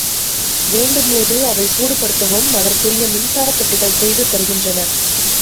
வேண்டும்போது அவை சூடுபடுத்தவும் அதற்குரிய மின்சாரப் பெட்டிகள் செய்து தருகின்றன.